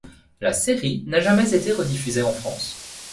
La série n'a jamais été rediffusée en France.